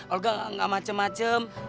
olga enggak macem macem